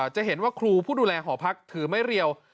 จะเห็นว่าครูผู้ดูแลหอพักถือไม้เรียว